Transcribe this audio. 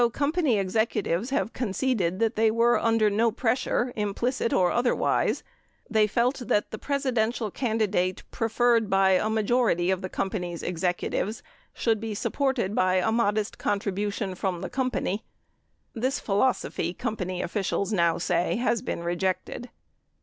Although company executives have con ceded that they were under no pressure, implicit or otherwise, they felt that the Presidential candidate preferred by a majority of the company's executives should be supported by a modest contribution from the company. This philosophy, company officials now say, has been rejected.